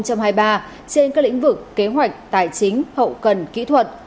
trên các lĩnh vực kế hoạch tài chính hậu cần kỹ thuật